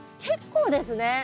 結構ですね。